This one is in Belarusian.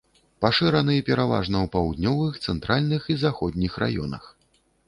Пашыраны пераважна ў паўднёвых, цэнтральных і заходніх раёнах.